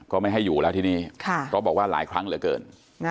ไม่ให้อยู่แล้วที่นี่เพราะบอกว่าหลายครั้งเหลือเกิน